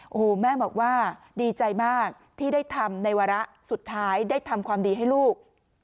โอ้โหแม่บอกว่าดีใจมากที่ได้ทำในวาระสุดท้ายได้ทำความดีให้ลูก